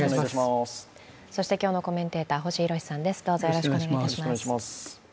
今日のコメンテーター、星浩さんです。